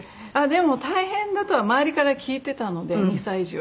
でも大変だとは周りから聞いてたので２歳児は。